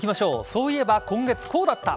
そういえば今月こうだった。